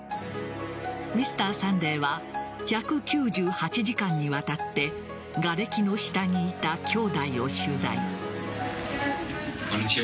「Ｍｒ．サンデー」は１９８時間にわたってがれきの下にいた兄弟を取材。